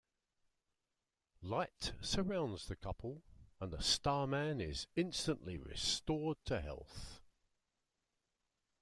Light surrounds the couple, and the Starman is instantly restored to health.